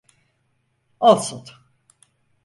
Olsun.